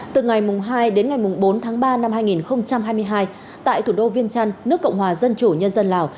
từ ngày hai đến ngày bốn tháng ba năm hai nghìn hai mươi hai tại thủ đô viên trăn nước cộng hòa dân chủ nhân dân lào